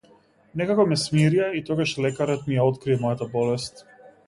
Некако ме смирија и тогаш лекарот ми ја откри мојата болест.